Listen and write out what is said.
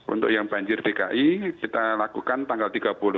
untuk yang banjir dki kita lakukan tanggal tiga puluh